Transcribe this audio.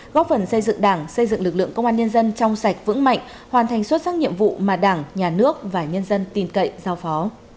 góp phần xây dựng đảng xây dựng lực lượng công an nhân dân trong sạch vững mạnh hoàn thành xuất sắc nhiệm vụ mà đảng nhà nước và nhân dân tin cậy giao phó